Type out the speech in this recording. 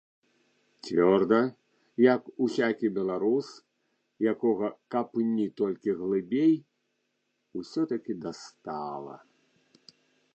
Цвёрда, як усякі беларус, якога, капні толькі глыбей, усё-такі дастала!